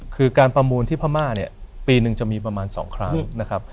คือการประมูลที่พม่าเนี่ยปีหนึ่งจะมีประมาณ๒ครั้งนะครับ